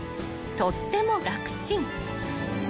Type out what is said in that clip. ［とっても楽ちん］